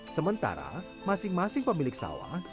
sementara masing masing pemilik sawah